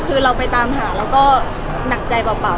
คือเราไปตามหาเราก็หนักใจเปล่า